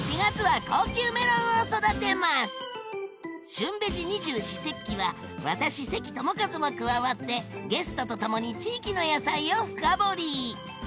「旬ベジ二十四節気」は私関智一も加わってゲストとともに地域の野菜を深掘り！